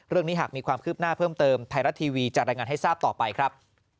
เรื่องนี้หากมีความคืบหน้าเพิ่มเติมไทยรัฐทีวีจะรายงานให้ทราบต่อไปครับ